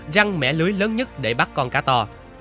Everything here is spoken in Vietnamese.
răng mẻ lưới lớn nhất để bắt con cá to